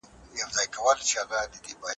د کار ځواک د ښه والي لپاره هڅې روانې دي.